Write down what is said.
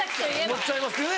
思っちゃいますよね。